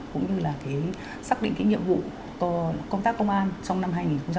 cũng như là cái xác định cái nhiệm vụ công tác công an trong năm hai nghìn hai mươi bốn